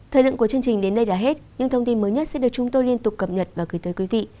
thời lượng của chương trình đến đây là hết những thông tin mới nhất sẽ được chúng tôi liên tục cập nhật và gửi tới quý vị